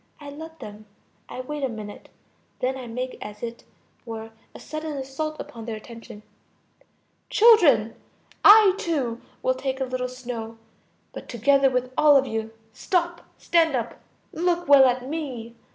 I let them. I wait a minute, then I make as it were a sudden assault upon their attention: Children, I too will take a little snow, but together with all of you. Stop. Stand up. Look well at me.